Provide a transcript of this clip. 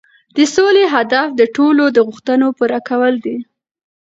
د سولې هدف د ټولو د غوښتنو پوره کول دي.